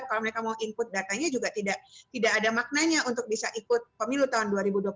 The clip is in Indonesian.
kalau mereka mau input datanya juga tidak ada maknanya untuk bisa ikut pemilu tahun dua ribu dua puluh empat